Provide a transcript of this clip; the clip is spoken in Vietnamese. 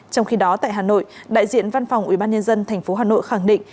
trong khi đó tại hà nội đại diện văn phòng ubnd tp hà nội khẳng định